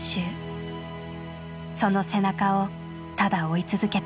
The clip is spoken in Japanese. その背中をただ追い続けた。